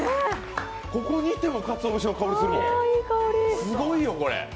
ここにいてもかつお節の香りするわ、すごいわ、これ。